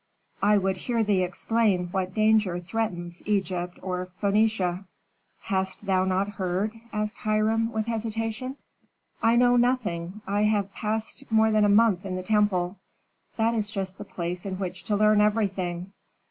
"I would hear thee explain what danger threatens Egypt or Phœnicia." "Hast thou not heard?" asked Hiram, with hesitation. "I know nothing. I have passed more than a month in the temple." "That is just the place in which to learn everything."